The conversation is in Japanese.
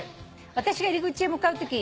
私が入り口へ向かうとき